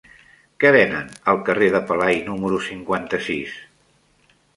Què venen al carrer de Pelai número cinquanta-sis?